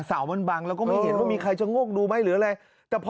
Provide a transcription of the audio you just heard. สาวบ้างเราก็ไม่เห็นว่ามีใครจะงอกดูมั้ยหรืออะไร